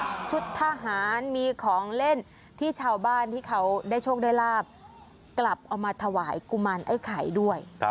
ชุดทหารมีของเล่นที่ชาวบ้านที่เขาได้โชคได้ลาบกลับเอามาถวายกุมารไอ้ไข่ด้วย